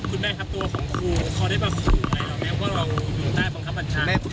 คุณแม่ครับตัวของครูขอได้มาคุยไหมแล้วแม่ว่าเรามีข้ิบใดภัคดิ์ปัญชา